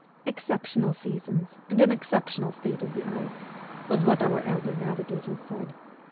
'Exceptional seasons and an exceptional state of the ice ' was what our elder navigators said.